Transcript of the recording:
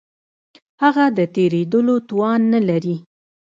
هغه د تېرېدلو توان نه لري.